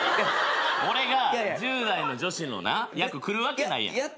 俺が１０代の女子の役来るわけないやん。